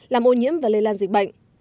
làm ô nhiễm và lây lan dịch bệnh